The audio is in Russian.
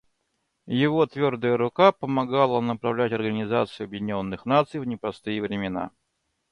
Его твердая рука помогала направлять Организацию Объединенных Наций в непростые времена.